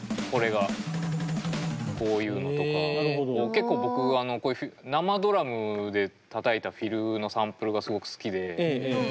結構僕こういう生ドラムでたたいたフィルのサンプルがすごく好きで。